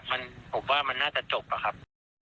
มันผมว่ามันน่าจะจบอะครับ